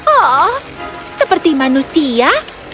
oh seperti manusia